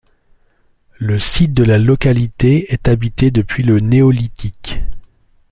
Le site de la localité est habitée depuis le Néolithique.